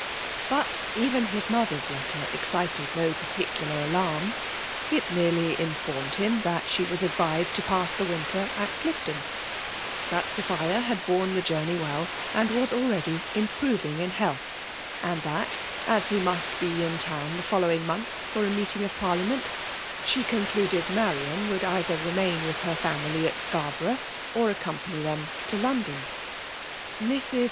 But even his mother's letter excited no patHcular alarm; It ttierely informed mm tliat she was advised to pass the winter at Olifton — that Sophia had borne the joumej welL &nd was already improving in health; 4 aind that, as he must be in town the following month for the meeting of parliament, she con clttded Marian would cither remain with her ^■ family at Scarborough, or accompany them to London. Mrs.